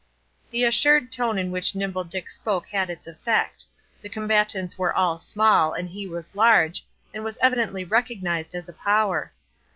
The assured tone in which Nimble Dick spoke had its effect; the combatants were all small, and he was large, and was evidently recognized as a power.